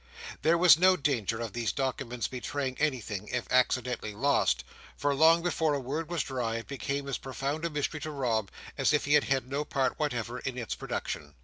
There was no danger of these documents betraying anything, if accidentally lost; for long before a word was dry, it became as profound a mystery to Rob, as if he had had no part whatever in its production.